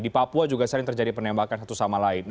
di papua juga sering terjadi penembakan satu sama lain